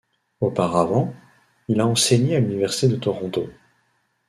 Auparavant, il a enseigné à l'Université de Toronto.